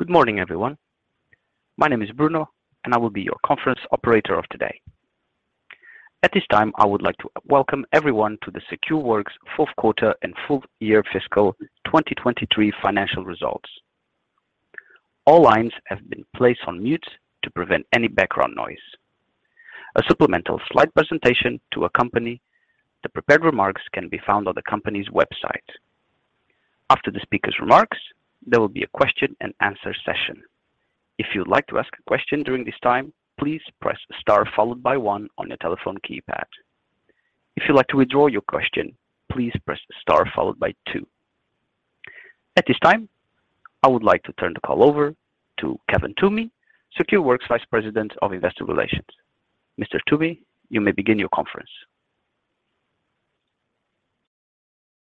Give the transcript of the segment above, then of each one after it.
Good morning, everyone. My name is Bruno, and I will be your conference operator of today. At this time, I would like to welcome everyone to the Secureworks fourth quarter and full year fiscal 2023 financial results. All lines have been placed on mute to prevent any background noise. A supplemental slide presentation to accompany the prepared remarks can be found on the company's website. After the speaker's remarks, there will be a question and answer session. If you'd like to ask a question during this time, please press star followed by one on your telephone keypad. If you'd like to withdraw your question, please press star followed by two. At this time, I would like to turn the call over to Kevin Toomey, Secureworks Vice President of Investor Relations. Mr. Toomey, you may begin your conference.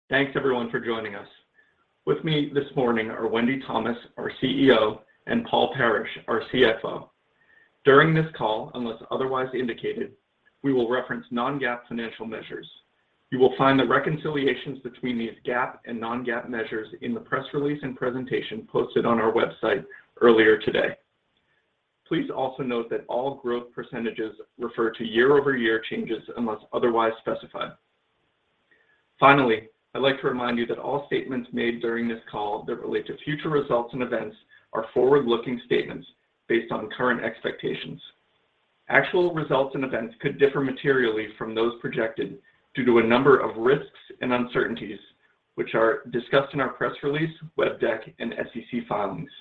Thanks everyone for joining us. With me this morning are Wendy Thomas, our CEO, and Paul Parrish, our CFO. During this call, unless otherwise indicated, we will reference non-GAAP financial measures. You will find the reconciliations between these GAAP and non-GAAP measures in the press release and presentation posted on our website earlier today. Please also note that all growth percentages refer to year-over-year changes unless otherwise specified. Finally, I'd like to remind you that all statements made during this call that relate to future results and events are forward-looking statements based on current expectations. Actual results and events could differ materially from those projected due to a number of risks and uncertainties, which are discussed in our press release, web deck, and SEC filings.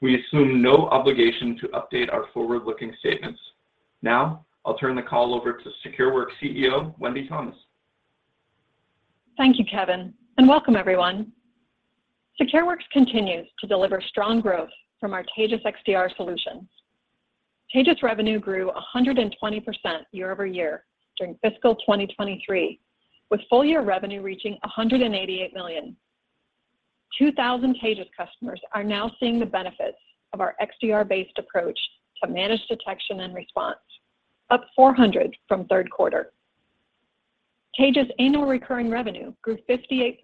We assume no obligation to update our forward-looking statements. I'll turn the call over to Secureworks CEO, Wendy Thomas. Thank you, Kevin. Welcome everyone. Secureworks continues to deliver strong growth from our Taegis XDR solutions. Taegis revenue grew 120% year-over-year during fiscal 2023, with full year revenue reaching $188 million. 2,000 Taegis customers are now seeing the benefits of our XDR-based approach to manage detection and response, up 400 from third quarter. Taegis annual recurring revenue grew 58%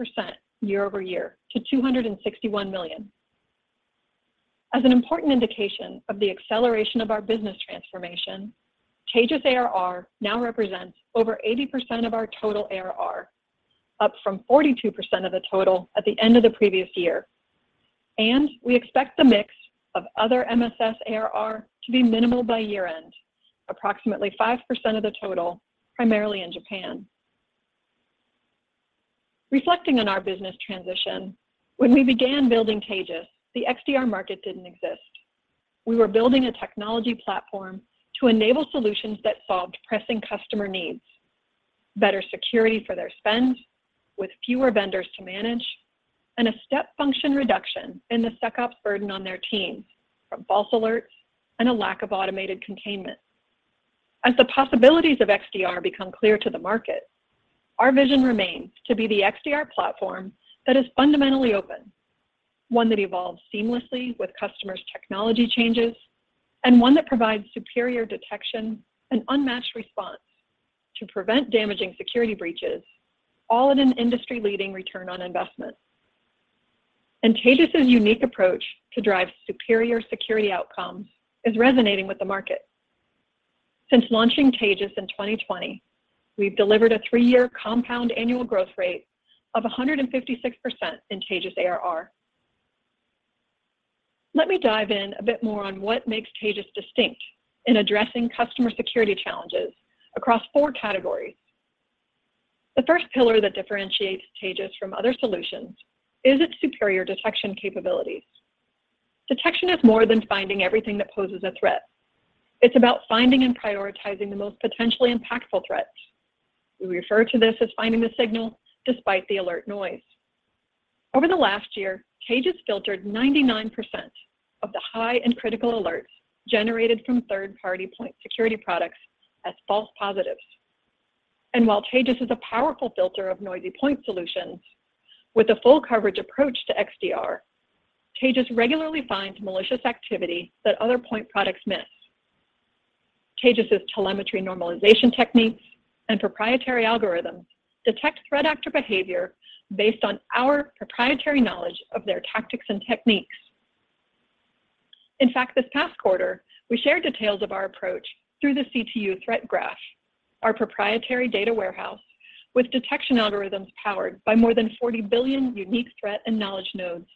year-over-year to $261 million. As an important indication of the acceleration of our business transformation, Taegis ARR now represents over 80% of our total ARR, up from 42% of the total at the end of the previous year. We expect the mix of other MSS ARR to be minimal by year-end, approximately 5% of the total, primarily in Japan. Reflecting on our business transition, when we began building Taegis, the XDR market didn't exist. We were building a technology platform to enable solutions that solved pressing customer needs, better security for their spend with fewer vendors to manage, and a step function reduction in the SecOps burden on their teams from false alerts and a lack of automated containment. As the possibilities of XDR become clear to the market, our vision remains to be the XDR platform that is fundamentally open, one that evolves seamlessly with customers' technology changes, and one that provides superior detection and unmatched response to prevent damaging security breaches, all at an industry-leading return on investment. Taegis' unique approach to drive superior security outcomes is resonating with the market. Since launching Taegis in 2020, we've delivered a 3-year compound annual growth rate of 156% in Taegis ARR. Let me dive in a bit more on what makes Taegis distinct in addressing customer security challenges across four categories. The first pillar that differentiates Taegis from other solutions is its superior detection capabilities. Detection is more than finding everything that poses a threat. It's about finding and prioritizing the most potentially impactful threats. We refer to this as finding the signal despite the alert noise. Over the last year, Taegis filtered 99% of the high and critical alerts generated from third-party point security products as false positives. While Taegis is a powerful filter of noisy point solutions, with a full coverage approach to XDR, Taegis regularly finds malicious activity that other point products miss. Taegis' telemetry normalization techniques and proprietary algorithms detect threat actor behavior based on our proprietary knowledge of their tactics and techniques. In fact, this past quarter, we shared details of our approach through the CTU Threat Graph, our proprietary data warehouse with detection algorithms powered by more than 40 billion unique threat and knowledge nodes,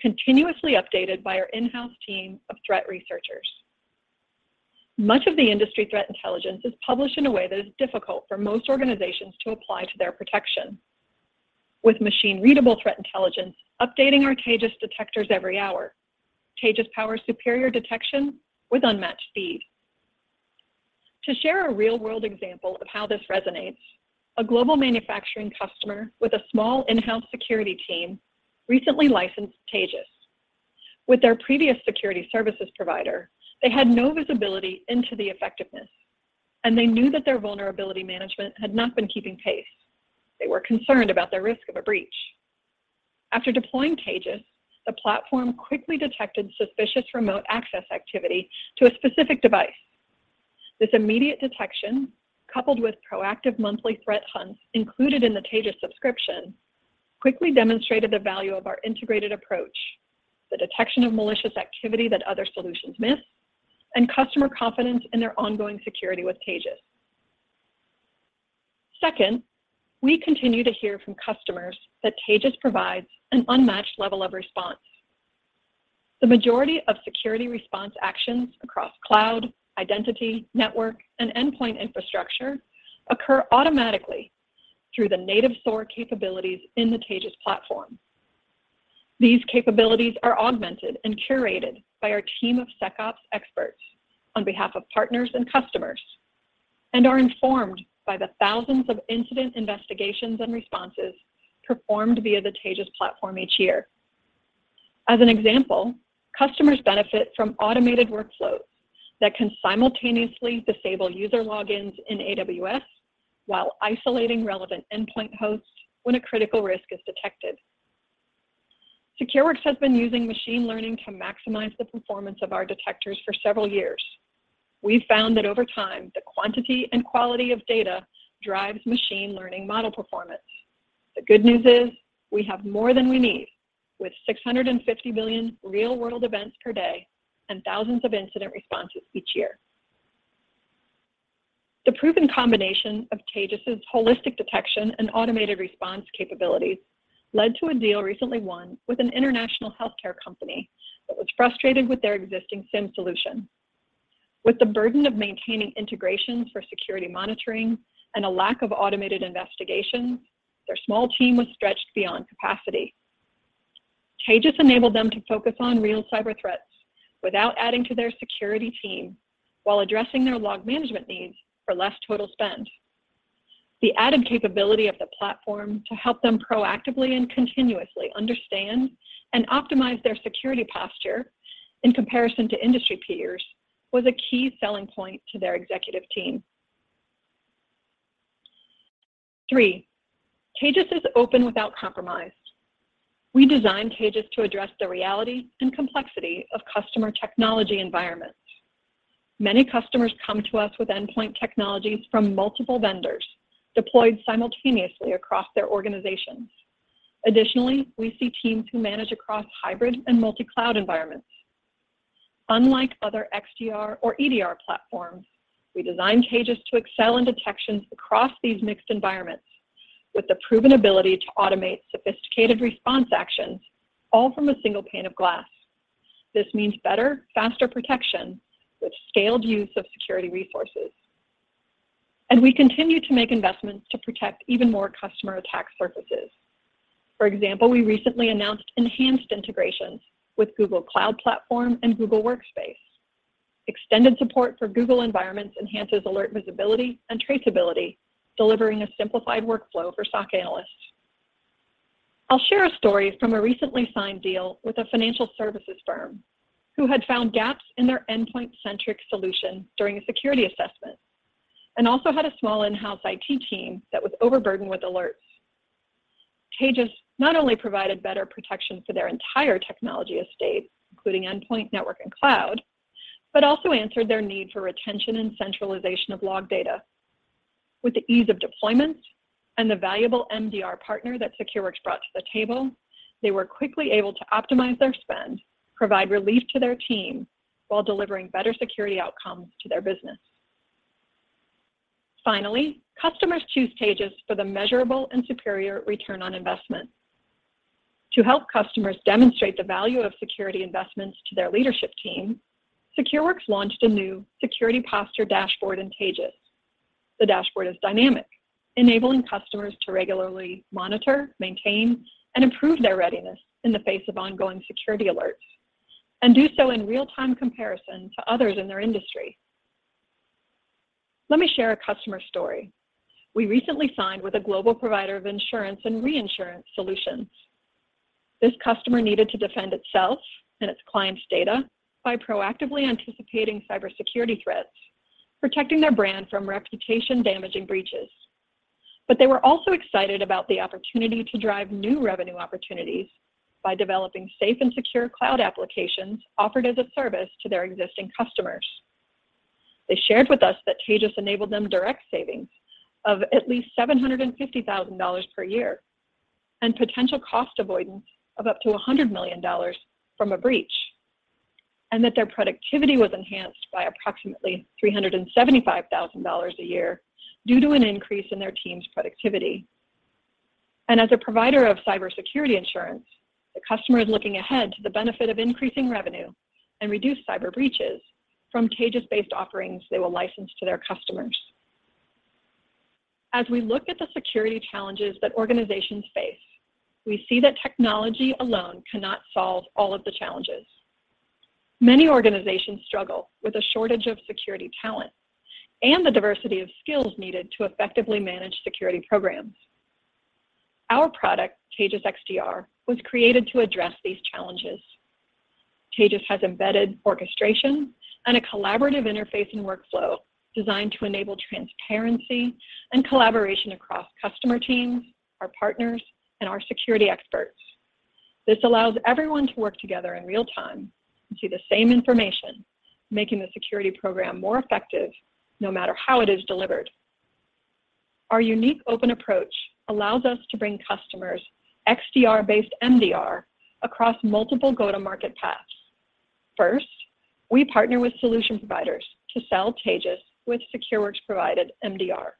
continuously updated by our in-house team of threat researchers. Much of the industry threat intelligence is published in a way that is difficult for most organizations to apply to their protection. With machine-readable threat intelligence updating our Taegis detectors every hour, Taegis power superior detection with unmatched speed. To share a real-world example of how this resonates, a global manufacturing customer with a small in-house security team recently licensed Taegis. With their previous security services provider, they had no visibility into the effectiveness. They knew that their vulnerability management had not been keeping pace. They were concerned about their risk of a breach. After deploying Taegis, the platform quickly detected suspicious remote access activity to a specific device. This immediate detection coupled with proactive monthly threat hunts included in the Taegis subscription quickly demonstrated the value of our integrated approach, the detection of malicious activity that other solutions miss, and customer confidence in their ongoing security with Taegis. Second, we continue to hear from customers that Taegis provides an unmatched level of response. The majority of security response actions across cloud, identity, network, and endpoint infrastructure occur automatically through the native SOAR capabilities in the Taegis platform. These capabilities are augmented and curated by our team of SecOps experts on behalf of partners and customers and are informed by the thousands of incident investigations and responses performed via the Taegis platform each year. As an example, customers benefit from automated workflows that can simultaneously disable user logins in AWS while isolating relevant endpoint hosts when a critical risk is detected. Secureworks has been using machine learning to maximize the performance of our detectors for several years. We've found that over time, the quantity and quality of data drives machine learning model performance. The good news is we have more than we need with 650 billion real-world events per day and thousands of incident responses each year. The proven combination of Taegis' holistic detection and automated response capabilities led to a deal recently won with an international healthcare company that was frustrated with their existing SIEM solution. With the burden of maintaining integrations for security monitoring and a lack of automated investigations, their small team was stretched beyond capacity. Taegis enabled them to focus on real cyber threats without adding to their security team while addressing their log management needs for less total spend. The added capability of the platform to help them proactively and continuously understand and optimize their security posture in comparison to industry peers was a key selling point to their executive team. Three, Taegis is open without compromise. We designed Taegis to address the reality and complexity of customer technology environments. Many customers come to us with endpoint technologies from multiple vendors deployed simultaneously across their organizations. Additionally, we see teams who manage across hybrid and multi-cloud environments. Unlike other XDR or EDR platforms, we designed Taegis to excel in detections across these mixed environments with the proven ability to automate sophisticated response actions, all from a single pane of glass. This means better, faster protection with scaled use of security resources. We continue to make investments to protect even more customer attack surfaces. For example, we recently announced enhanced integrations with Google Cloud Platform and Google Workspace. Extended support for Google environments enhances alert visibility and traceability, delivering a simplified workflow for SOC analysts. I'll share a story from a recently signed deal with a financial services firm who had found gaps in their endpoint-centric solution during a security assessment and also had a small in-house IT team that was overburdened with alerts. Taegis not only provided better protection for their entire technology estate, including endpoint, network, and cloud, but also answered their need for retention and centralization of log data. With the ease of deployment and the valuable MDR partner that Secureworks brought to the table, they were quickly able to optimize their spend, provide relief to their team while delivering better security outcomes to their business. Finally, customers choose Taegis for the measurable and superior return on investment. To help customers demonstrate the value of security investments to their leadership team, Secureworks launched a new security posture dashboard in Taegis. The dashboard is dynamic, enabling customers to regularly monitor, maintain, and improve their readiness in the face of ongoing security alerts and do so in real-time comparison to others in their industry. Let me share a customer story. We recently signed with a global provider of insurance and reinsurance solutions. This customer needed to defend itself and its clients' data by proactively anticipating cybersecurity threats, protecting their brand from reputation-damaging breaches. They were also excited about the opportunity to drive new revenue opportunities by developing safe and secure cloud applications offered as a service to their existing customers. They shared with us that Taegis enabled them direct savings of at least $750,000 per year and potential cost avoidance of up to $100 million from a breach, and that their productivity was enhanced by approximately $375,000 a year due to an increase in their team's productivity. As we look at the security challenges that organizations face, we see that technology alone cannot solve all of the challenges. Many organizations struggle with a shortage of security talent and the diversity of skills needed to effectively manage security programs. Our product, Taegis XDR, was created to address these challenges. Taegis has embedded orchestration and a collaborative interface and workflow designed to enable transparency and collaboration across customer teams, our partners, and our security experts. This allows everyone to work together in real time and see the same information, making the security program more effective no matter how it is delivered. Our unique open approach allows us to bring customers XDR-based MDR across multiple go-to-market paths. First, we partner with solution providers to sell Taegis with Secureworks-provided MDR.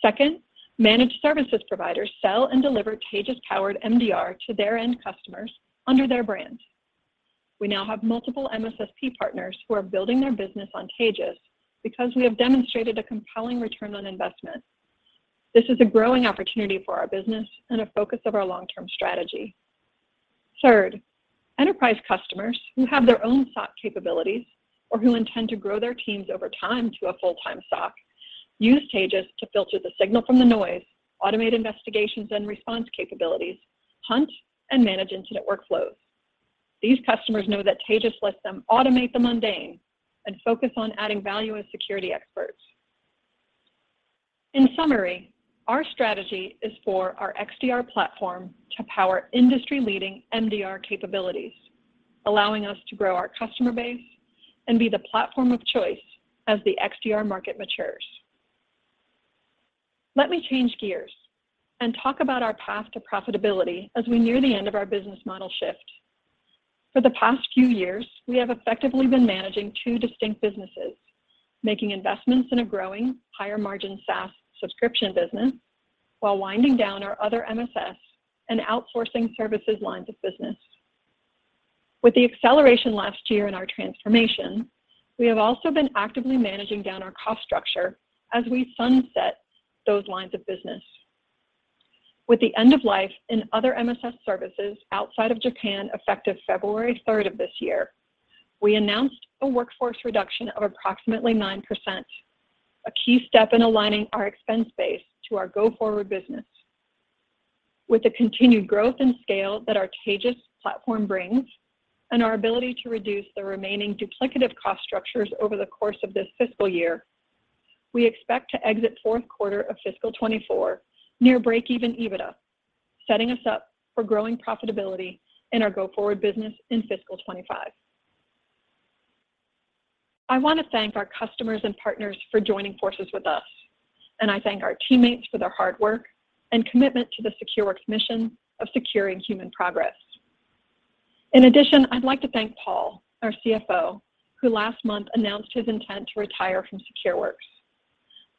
Second, managed services providers sell and deliver Taegis-powered MDR to their end customers under their brand. We now have multiple MSSP partners who are building their business on Taegis because we have demonstrated a compelling return on investment. This is a growing opportunity for our business and a focus of our long-term strategy. Third, enterprise customers who have their own SOC capabilities or who intend to grow their teams over time to a full-time SOC use Taegis to filter the signal from the noise, automate investigations and response capabilities, hunt and manage incident workflows. These customers know that Taegis lets them automate the mundane and focus on adding value as security experts. In summary, our strategy is for our XDR platform to power industry-leading MDR capabilities, allowing us to grow our customer base and be the platform of choice as the XDR market matures. Let me change gears and talk about our path to profitability as we near the end of our business model shift. For the past few years, we have effectively been managing two distinct businesses, making investments in a growing higher-margin SaaS subscription business while winding down our other MSS and outsourcing services lines of business. With the acceleration last year in our transformation, we have also been actively managing down our cost structure as we sunset those lines of business. With the end of life in other MSS services outside of Japan effective February 3 of this year, we announced a workforce reduction of approximately 9%, a key step in aligning our expense base to our go-forward business. With the continued growth and scale that our Taegis platform brings and our ability to reduce the remaining duplicative cost structures over the course of this fiscal year, we expect to exit 4th quarter of fiscal 2024 near break-even EBITDA, setting us up for growing profitability in our go-forward business in fiscal 2025. I thank our customers and partners for joining forces with us, and I thank our teammates for their hard work and commitment to the Secureworks mission of securing human progress. In addition, I'd like to thank Paul, our CFO, who last month announced his intent to retire from Secureworks.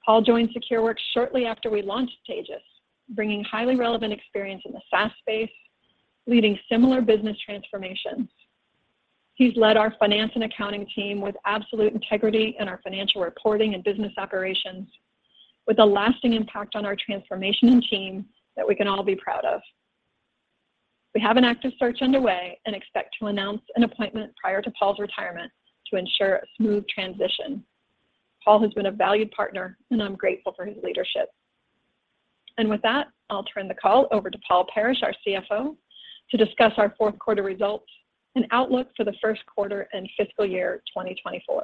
Paul joined Secureworks shortly after we launched Taegis, bringing highly relevant experience in the SaaS space, leading similar business transformations. He's led our finance and accounting team with absolute integrity in our financial reporting and business operations with a lasting impact on our transformation and team that we can all be proud of. We have an active search underway and expect to announce an appointment prior to Paul's retirement to ensure a smooth transition. Paul has been a valued partner, I'm grateful for his leadership. With that, I'll turn the call over to Paul Parrish, our CFO, to discuss our fourth quarter results and outlook for the first quarter and fiscal year 2024.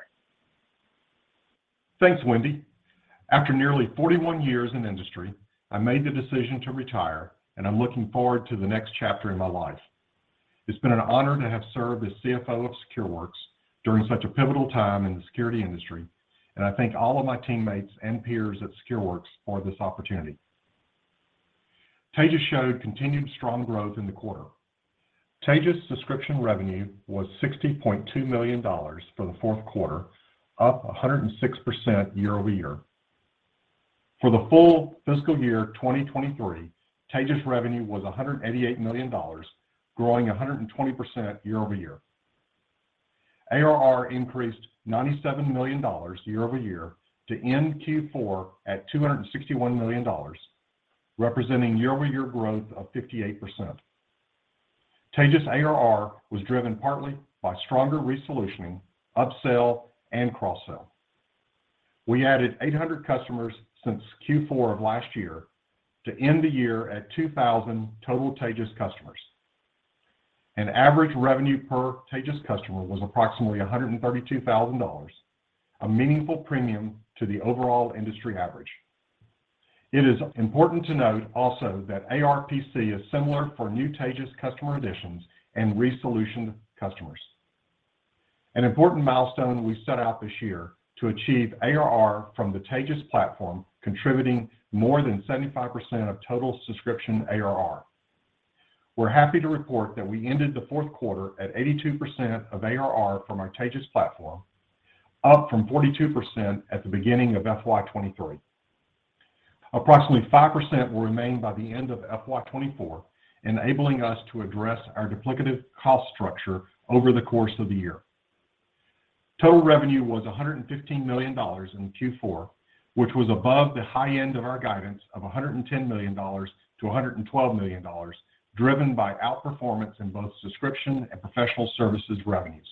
Thanks, Wendy. After nearly 41 years in industry, I made the decision to retire, and I'm looking forward to the next chapter in my life. It's been an honor to have served as CFO of Secureworks during such a pivotal time in the security industry, and I thank all of my teammates and peers at Secureworks for this opportunity. Taegis showed continued strong growth in the quarter. Taegis subscription revenue was $60.2 million for the fourth quarter, up 106% year-over-year. For the full fiscal year 2023, Taegis revenue was $188 million, growing 120% year-over-year. ARR increased $97 million year-over-year to end Q4 at $261 million, representing year-over-year growth of 58%. Taegis ARR was driven partly by stronger resolutioning, upsell, and cross-sell. We added 800 customers since Q4 of last year to end the year at 2,000 total Taegis customers. Average revenue per Taegis customer was approximately $132,000, a meaningful premium to the overall industry average. It is important to note also that ARPC is similar for new Taegis customer additions and resolutioned customers. An important milestone we set out this year to achieve ARR from the Taegis platform contributing more than 75% of total subscription ARR. We're happy to report that we ended the fourth quarter at 82% of ARR from our Taegis platform, up from 42% at the beginning of FY 2023. Approximately 5% will remain by the end of FY 2024, enabling us to address our duplicative cost structure over the course of the year. Total revenue was $115 million in Q4, which was above the high end of our guidance of $110 million-$112 million, driven by outperformance in both subscription and professional services revenues.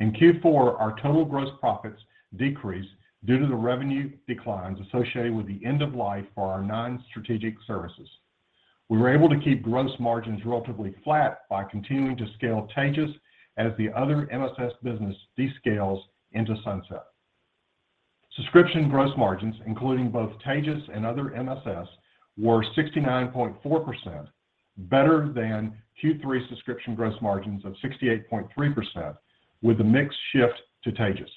In Q4, our total gross profits decreased due to the revenue declines associated with the end of life for our non-strategic services. We were able to keep gross margins relatively flat by continuing to scale Taegis as the other MSS business descales into sunset. Subscription gross margins, including both Taegis and other MSS, were 69.4%, better than Q3 subscription gross margins of 68.3% with the mix shift to Taegis.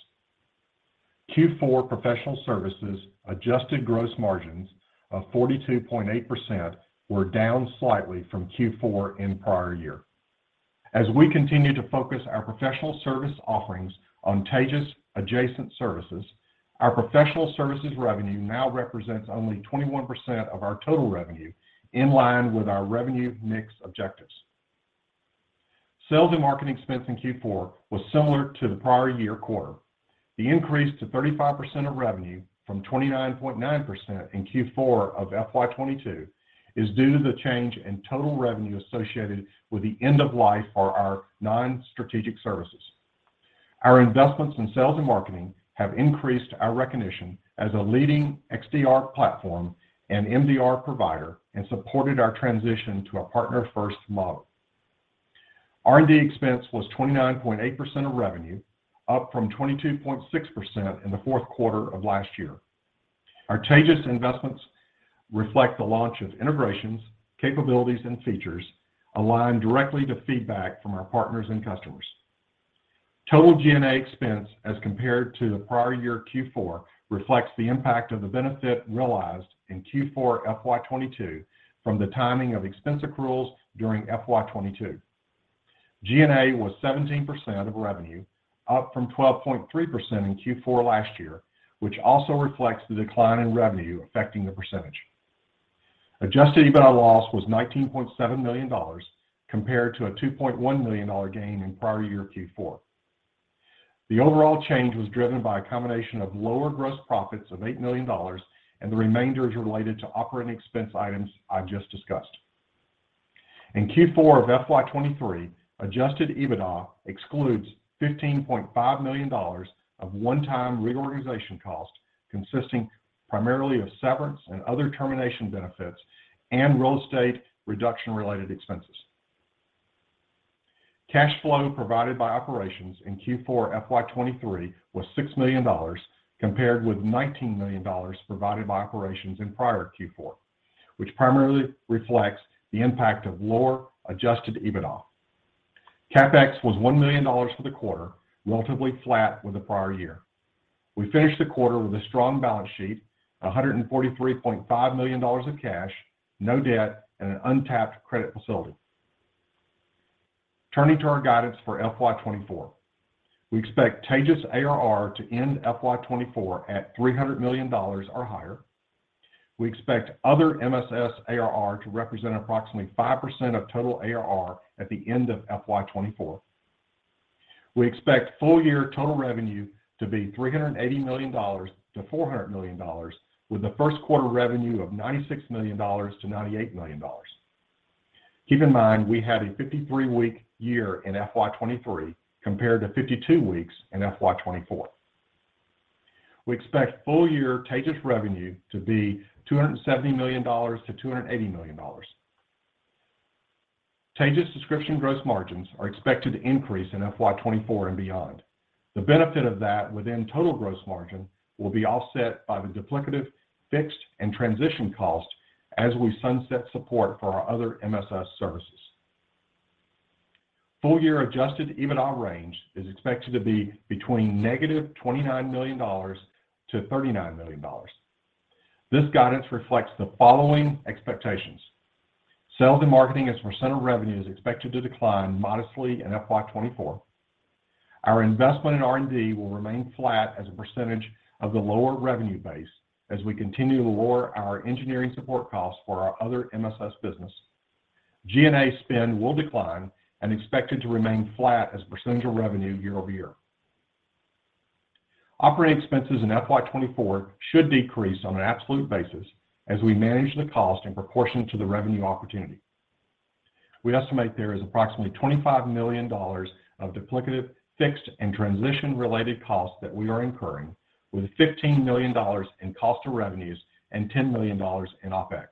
Q4 professional services adjusted gross margins of 42.8% were down slightly from Q4 in prior year. As we continue to focus our professional service offerings on Taegis adjacent services, our professional services revenue now represents only 21% of our total revenue, in line with our revenue mix objectives. Sales and marketing expense in Q4 was similar to the prior year quarter. The increase to 35% of revenue from 29.9% in Q4 of FY 2022 is due to the change in total revenue associated with the end of life for our non-strategic services. Our investments in sales and marketing have increased our recognition as a leading XDR platform and MDR provider, and supported our transition to a partner-first model. R&D expense was 29.8% of revenue, up from 22.6% in the fourth quarter of last year. Our Taegis investments reflect the launch of integrations, capabilities, and features aligned directly to feedback from our partners and customers. Total G&A expense as compared to the prior year Q4 reflects the impact of the benefit realized in Q4 FY 2022 from the timing of expense accruals during FY 2022. G&A was 17% of revenue, up from 12.3% in Q4 last year, which also reflects the decline in revenue affecting the percentage. Adjusted EBITDA loss was $19.7 million compared to a $2.1 million gain in prior year Q4. The overall change was driven by a combination of lower gross profits of $8 million, the remainder is related to operating expense items I've just discussed. In Q4 of FY 2023, Adjusted EBITDA excludes $15.5 million of one-time reorganization costs, consisting primarily of severance and other termination benefits and real estate reduction-related expenses. Cash flow provided by operations in Q4 FY 2023 was $6 million, compared with $19 million provided by operations in prior Q4, which primarily reflects the impact of lower Adjusted EBITDA. CapEx was $1 million for the quarter, relatively flat with the prior year. We finished the quarter with a strong balance sheet, $143.5 million of cash, no debt, and an untapped credit facility. Turning to our guidance for FY 2024. We expect Taegis ARR to end FY 2024 at $300 million or higher. We expect other MSS ARR to represent approximately 5% of total ARR at the end of FY 2024. We expect full year total revenue to be $380 million-$400 million, with the first quarter revenue of $96 million-$98 million. Keep in mind, we had a 53-week year in FY 2023 compared to 52 weeks in FY 2024. We expect full year Taegis revenue to be $270 million-$280 million. Taegis subscription gross margins are expected to increase in FY 2024 and beyond. The benefit of that within total gross margin will be offset by the duplicative fixed and transition cost as we sunset support for our other MSS services. Full year Adjusted EBITDA range is expected to be between -$29 million to $39 million. This guidance reflects the following expectations. Sales and marketing as a % of revenue is expected to decline modestly in FY 2024. Our investment in R&D will remain flat as a percentage of the lower revenue base as we continue to lower our engineering support costs for our other MSS business. G&A spend will decline and expected to remain flat as a percentage of revenue year-over-year. Operating expenses in FY 2024 should decrease on an absolute basis as we manage the cost in proportion to the revenue opportunity. We estimate there is approximately $25 million of duplicative fixed and transition-related costs that we are incurring with $15 million in cost of revenues and $10 million in OpEx.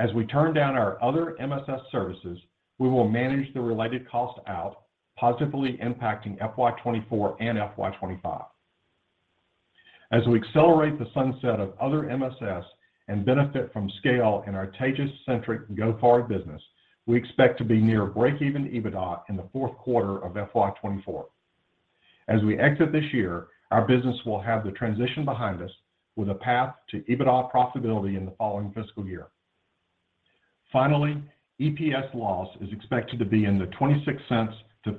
As we turn down our other MSS services, we will manage the related cost out, positively impacting FY 2024 and FY 2025. As we accelerate the sunset of other MSS and benefit from scale in our Taegis-centric go-forward business, we expect to be near breakeven EBITDA in the fourth quarter of FY 2024. As we exit this year, our business will have the transition behind us with a path to EBITDA profitability in the following fiscal year. Finally, EPS loss is expected to be in the $0.26-$0.35 range. In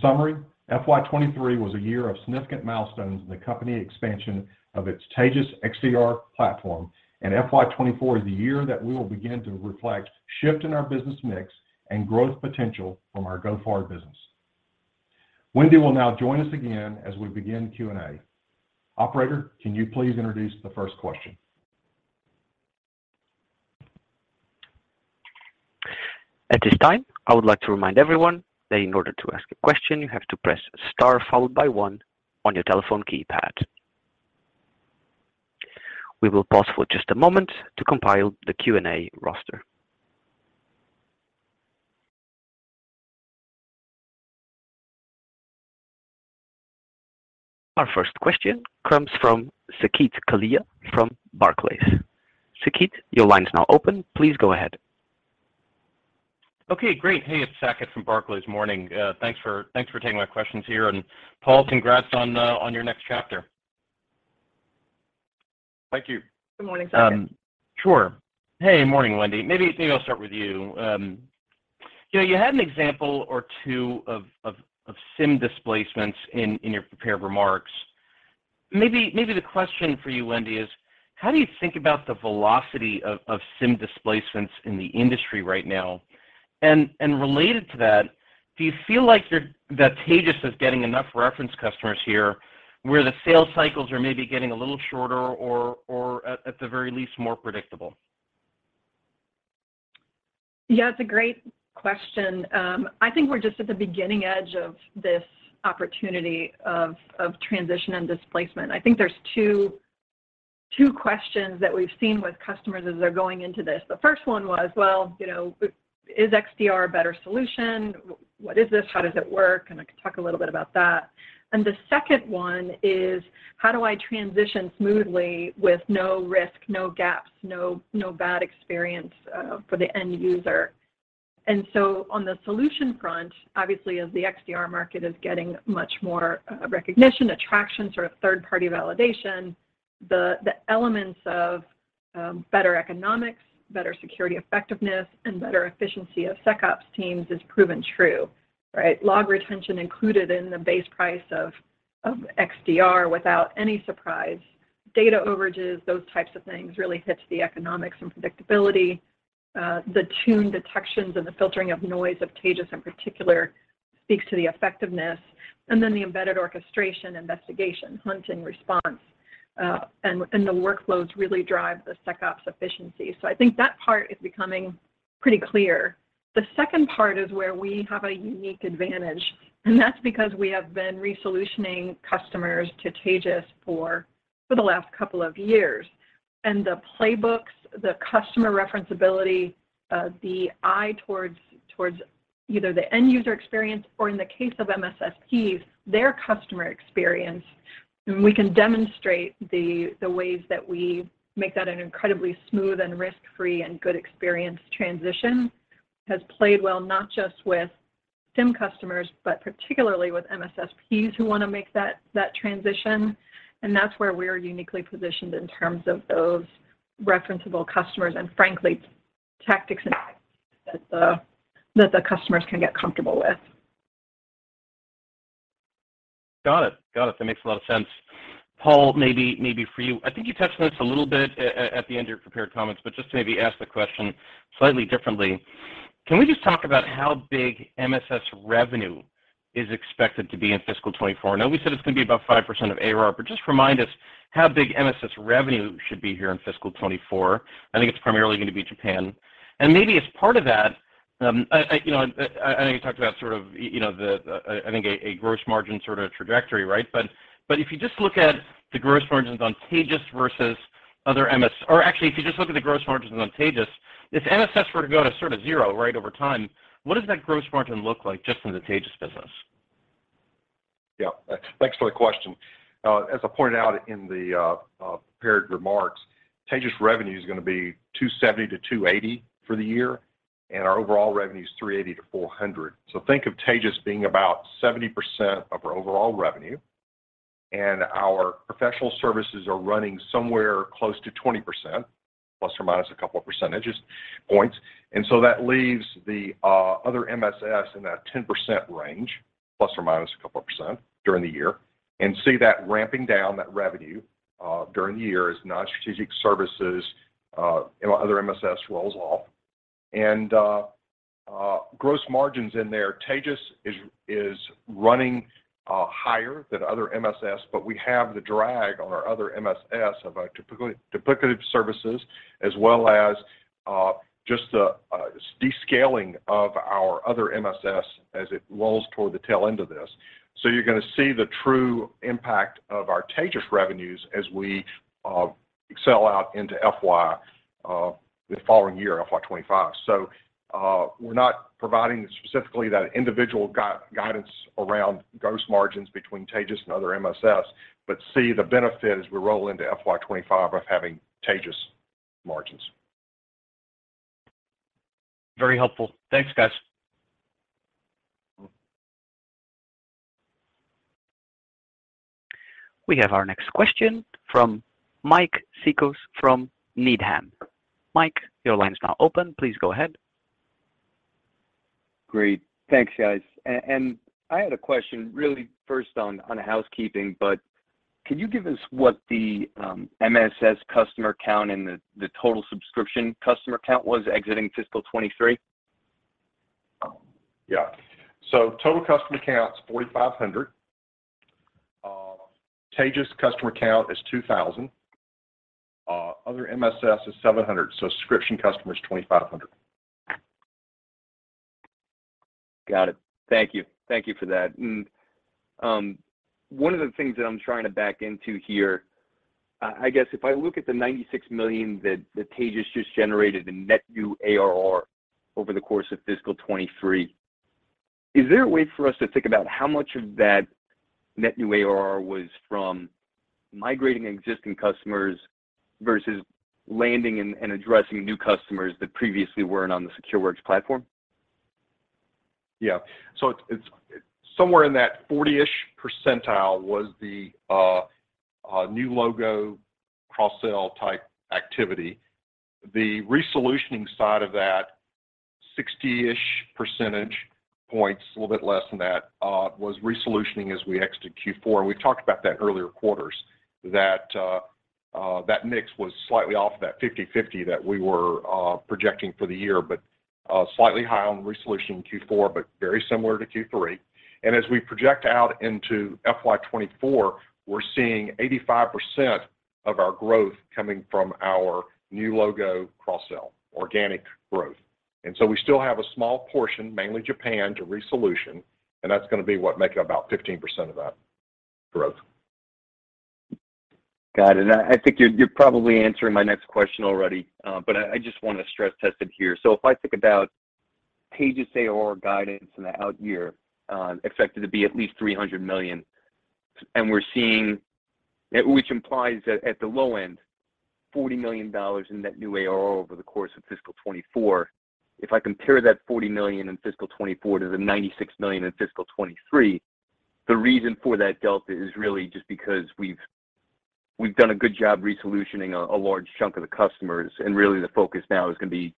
summary, FY 2023 was a year of significant milestones in the company expansion of its Taegis XDR platform. FY 2024 is the year that we will begin to reflect shift in our business mix and growth potential from our go-forward business. Wendy will now join us again as we begin Q&A. Operator, can you please introduce the first question? At this time, I would like to remind everyone that in order to ask a question, you have to press star followed by one on your telephone keypad. We will pause for just a moment to compile the Q&A roster. Our first question comes from Saket Kalia from Barclays. Saket, your line is now open. Please go ahead. Okay, great. Hey, it's Saket from Barclays. Morning. Thanks for taking my questions here. Paul, congrats on your next chapter. Thank you. Good morning, Saket. Sure. Hey. Morning, Wendy. Maybe I'll start with you. You know, you had an example or two of SIEM displacements in your prepared remarks. Maybe the question for you, Wendy, is: how do you think about the velocity of SIEM displacements in the industry right now? Related to that, do you feel like that Taegis is getting enough reference customers here, where the sales cycles are maybe getting a little shorter or at the very least more predictable? Yeah, it's a great question. I think we're just at the beginning edge of this opportunity of transition and displacement. I think there's two questions that we've seen with customers as they're going into this. The first one was, well, you know, is XDR a better solution? What is this? How does it work? I can talk a little bit about that. The second one is: how do I transition smoothly with no risk, no gaps, no bad experience for the end user? On the solution front, obviously, as the XDR market is getting much more recognition, attraction, sort of third-party validation, the elements of better economics, better security effectiveness, and better efficiency of SecOps teams is proven true, right? Log retention included in the base price of XDR without any surprise. Data overages, those types of things really hits the economics and predictability. The tune detections and the filtering of noise of Taegis in particular speaks to the effectiveness. The embedded orchestration investigation, hunt and response, and the workloads really drive the SecOps efficiency. I think that part is becoming pretty clear. The second part is where we have a unique advantage, and that's because we have been resolutioning customers to Taegis for the last couple of years. The playbooks, the customer reference ability, the eye towards either the end user experience or in the case of MSSPs, their customer experience. We can demonstrate the ways that we make that an incredibly smooth and risk-free and good experience transition, has played well, not just with SIEM customers, but particularly with MSSPs who wanna make that transition. That's where we're uniquely positioned in terms of those referenceable customers and frankly, tactics that the customers can get comfortable with. Got it. Got it. That makes a lot of sense. Paul, maybe for you. I think you touched on this a little bit at the end of your prepared comments, but just to maybe ask the question slightly differently. Can we just talk about how big MSS revenue is expected to be in fiscal 2024? I know we said it's gonna be about 5% of ARR, but just remind us how big MSS revenue should be here in fiscal 2024. I think it's primarily gonna be Japan. Maybe as part of that, I, you know, I know you talked about sort of, you know, the, a gross margin sort of trajectory, right? If you just look at the gross margins on Taegis versus other Or actually, if you just look at the gross margins on Taegis, if MSS were to go to sort of zero, right, over time, what does that gross margin look like just in the Taegis business? Yeah. Thanks for the question. As I pointed out in the prepared remarks, Taegis revenue is gonna be $270 million-$280 million for the year, and our overall revenue is $380 million-$400 million. Think of Taegis being about 70% of our overall revenue, and our professional services are running somewhere close to 20%, plus or minus a couple of percentage points. That leaves the other MSS in that 10% range, plus or minus a couple of percent during the year, and see that ramping down that revenue during the year as non-strategic services and other MSS rolls off. Gross margins in there, Taegis is running higher than other MSS, but we have the drag on our other MSS of our duplicative services as well as just the descaling of our other MSS as it rolls toward the tail end of this. You're gonna see the true impact of our Taegis revenues as we excel out into FY the following year, FY 2025. We're not providing specifically that individual guidance around gross margins between Taegis and other MSS, but see the benefit as we roll into FY 2025 of having Taegis margins. Very helpful. Thanks, guys. We have our next question from Mike Cikos from Needham. Mike, your line is now open. Please go ahead. Great. Thanks, guys. I had a question really first on housekeeping, but can you give us what the MSS customer count and the total subscription customer count was exiting fiscal 2023? Yeah. total customer count is 4,500. Taegis customer count is 2,000. other MSS is 700, so subscription customer is 2,500. Got it. Thank you. Thank you for that. One of the things that I'm trying to back into here, I guess if I look at the $96 million that Taegis just generated in net new ARR over the course of fiscal 2023, is there a way for us to think about how much of that net new ARR was from migrating existing customers versus landing and addressing new customers that previously weren't on the Secureworks platform? Yeah. It's somewhere in that 40-ish percentile was the new logo cross-sell type activity. The re-solutioning side of that 60-ish percentage points, a little bit less than that, was re-solutioning as we exit Q4. We talked about that earlier quarters, that mix was slightly off of that 50/50 that we were projecting for the year, but slightly high on re-solutioning in Q4, but very similar to Q3. As we project out into FY 2024, we're seeing 85% of our growth coming from our new logo cross-sell, organic growth. We still have a small portion, mainly Japan, to re-solution, and that's gonna be what making about 15% of that growth. Got it. I think you're probably answering my next question already, but I just wanna stress test it here. If I think about Taegis ARR guidance in the out year, expected to be at least $300 million, and we're seeing... Which implies that at the low end, $40 million in net new ARR over the course of fiscal 2024. If I compare that $40 million in fiscal 2024 to the $96 million in fiscal 2023, the reason for that delta is really just because we've done a good job re-solutioning a large chunk of the customers, and really the focus now is gonna be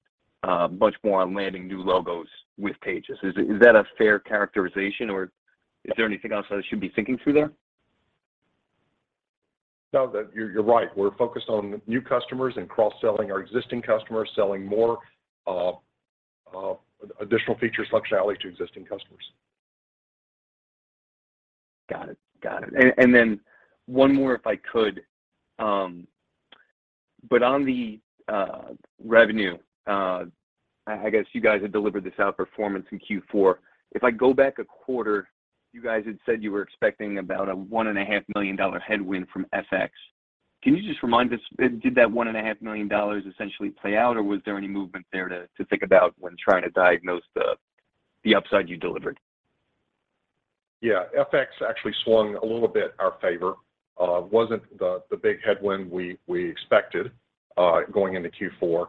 much more on landing new logos with Taegis. Is that a fair characterization, or is there anything else I should be thinking through there? No. You're right. We're focused on new customers and cross-selling our existing customers, selling more additional features, functionality to existing customers. Got it. Got it. Then one more, if I could. On the revenue, I guess you guys have delivered this outperformance in Q4. If I go back a quarter, you guys had said you were expecting about a one and a half million dollar headwind from FX. Can you just remind us, did that $1.5 million essentially play out, or was there any movement there to think about when trying to diagnose the upside you delivered? Yeah. FX actually swung a little bit our favor. Wasn't the big headwind we expected going into Q4,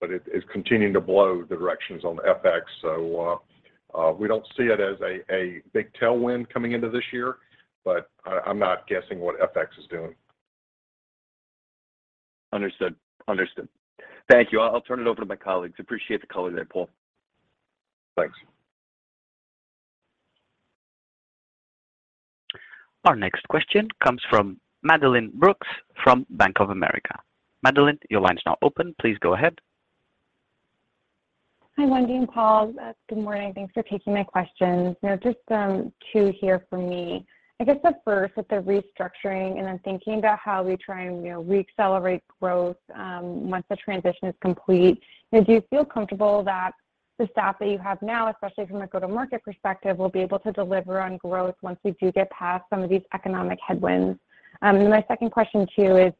but it is continuing to blow the directions on the FX. We don't see it as a big tailwind coming into this year, but I'm not guessing what FX is doing. Understood. Thank you. I'll turn it over to my colleagues. Appreciate the color there, Paul. Thanks. Our next question comes from Madeline Brooks from Bank of America. Madeline, your line's now open. Please go ahead. Hi, Wendy and Paul. Good morning. Thanks for taking my questions. You know, just two here from me. I guess the first with the restructuring, I'm thinking about how we try and, you know, re-accelerate growth once the transition is complete. You know, do you feel comfortable that the staff that you have now, especially from a go-to-market perspective, will be able to deliver on growth once we do get past some of these economic headwinds? My second question to you is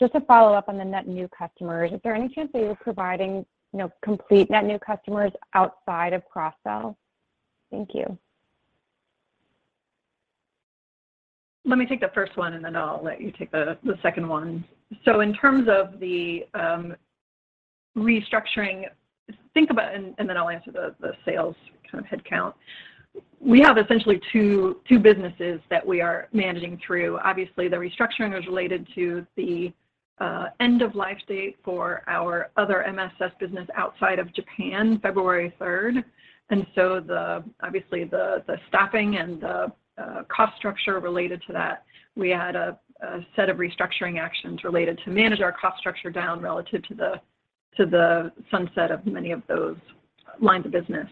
just to follow up on the net new customers. Is there any chance that you're providing, you know, complete net new customers outside of cross-sell? Thank you. Let me take the first one, and then I'll let you take the second one. In terms of the restructuring, think about... Then I'll answer the sales kind of headcount. We have essentially two businesses that we are managing through. Obviously, the restructuring was related to the end of life date for our other MSS business outside of Japan, February 3rd. Obviously the staffing and the cost structure related to that. We had a set of restructuring actions related to manage our cost structure down relative to the sunset of many of those lines of business.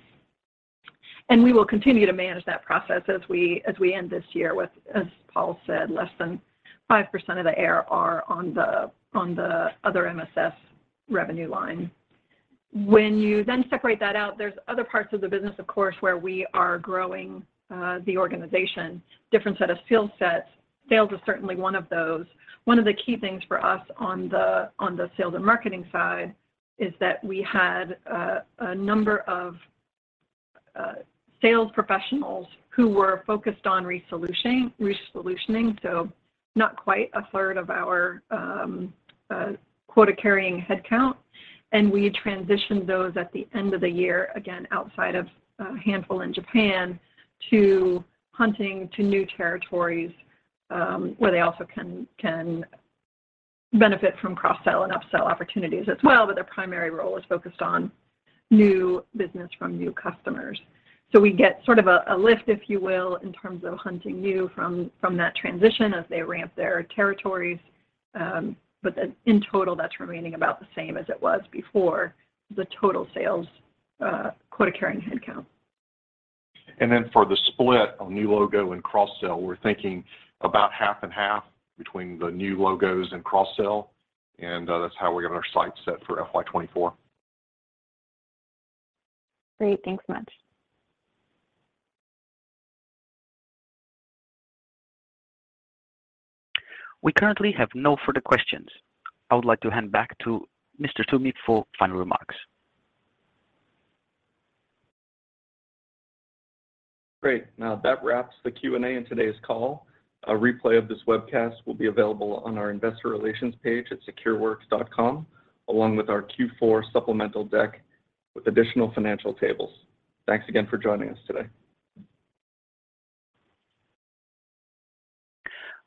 We will continue to manage that process as we end this year with, as Paul said, less than 5% of the ARR are on the other MSS revenue line. You then separate that out, there's other parts of the business, of course, where we are growing the organization. Different set of skill sets. Sales is certainly one of those. One of the key things for us on the, on the sales and marketing side is that we had a number of sales professionals who were focused on resolutioning, so not quite a third of our quota-carrying headcount. We transitioned those at the end of the year, again, outside of a handful in Japan, to hunting to new territories, where they also can benefit from cross-sell and upsell opportunities as well, but their primary role is focused on new business from new customers. We get sort of a lift, if you will, in terms of hunting new from that transition as they ramp their territories. In total, that's remaining about the same as it was before the total sales, quota-carrying headcount. For the split on new logo and cross-sell, we're thinking about 50/50 between the new logos and cross-sell, that's how we have our sights set for FY 2024. Great. Thanks so much. We currently have no further questions. I would like to hand back to Mr. Toomey for final remarks. Great. That wraps the Q&A in today's call. A replay of this webcast will be available on our investor relations page at secureworks.com, along with our Q4 supplemental deck with additional financial tables. Thanks again for joining us today.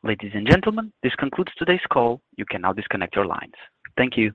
Ladies and gentlemen, this concludes today's call. You can now disconnect your lines. Thank you.